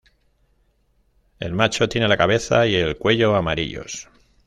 El macho tiene la cabeza y el cuello amarillos.